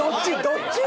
どっち？